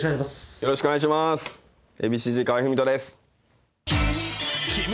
よろしくお願いします